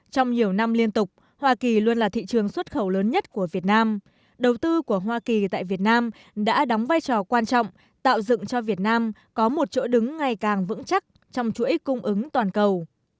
trong nhiều năm liên tục hoa kỳ luôn là thị trường xuất khẩu lớn nhất của việt nam đầu tư của hoa kỳ tại việt nam đã đóng vai trò quan trọng tạo dựng cho việt nam có một chỗ đứng ngày càng vững chắc trong chuỗi cung ứng toàn cầu